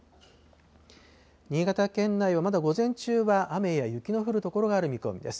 新潟県内は、まだ午前中は雨や雪の降る所がある見込みです。